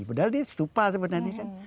padahal dia stupa sebenarnya kan